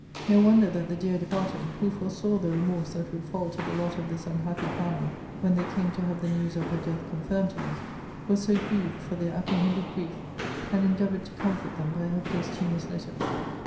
No wonder that the dear departed, who foresaw the remorse that would fall to the lot of this unhappy family when they came to have the news of her death confirmed to them, was so grieved for their apprehended grief, and endeavoured to comfort them by her posthumous letters.